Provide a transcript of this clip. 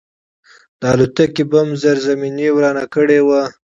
د الوتکې بم زیرزمیني ورانه کړې وه